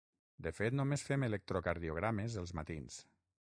De fet només fem electrocardiogrames els matins.